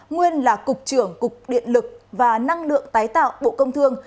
nguyên là cục trưởng cục điện lực và năng lượng tái tạo bộ công thương